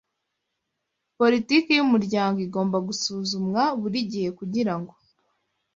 politiki y’umuryango igomba gusuzumwa buri gihe kugirango